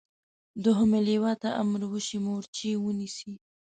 دوهمې لواء ته امر وشي مورچې ونیسي.